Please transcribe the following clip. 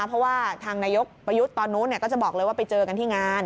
เพราะว่าทางนายกประยุทธ์ตอนนู้นก็จะบอกเลยว่าไปเจอกันที่งาน